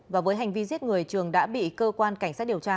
và với hành vi giết người trường đã bị cơ quan cảnh sát điều tra